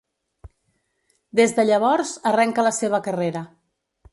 Des de llavors, arrenca la seva carrera.